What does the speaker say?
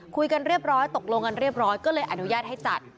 คุยกันเรียบร้อยตกลงกันเรียบร้อยก็เลยอนุญาตให้จัด